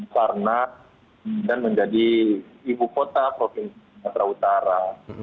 karena medan menjadi ibu kota provinsi metra utara